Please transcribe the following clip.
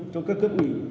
cho các cấp ủy